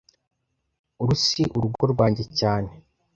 Uru si urugo rwanjye cyane